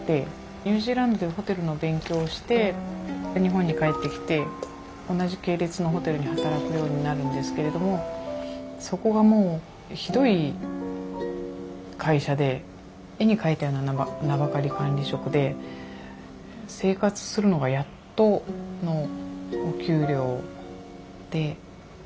ニュージーランドでホテルの勉強をしてで日本に帰ってきて同じ系列のホテルに働くようになるんですけれどもそこがもうひどい会社で絵に描いたような名ばかり管理職で生活するのがやっとのお給料で。